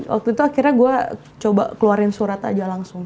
waktu itu akhirnya gue coba keluarin surat aja langsung